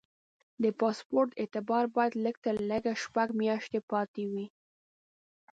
د پاسپورټ اعتبار باید لږ تر لږه شپږ میاشتې پاتې وي.